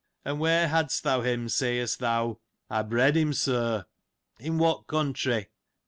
And where hadst thou him, sayest thou ? I bred him, sir. In what country